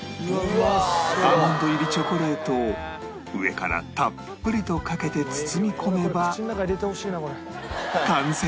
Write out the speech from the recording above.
アーモンド入りチョコレートを上からたっぷりとかけて包み込めば完成